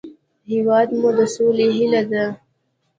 هېواد مو د سولې هیله ده